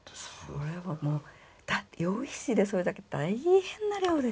それはもうだって羊皮紙でそれだけ大変な量でしょうね。